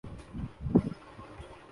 تو سب ٹھیک ہو جائے گا۔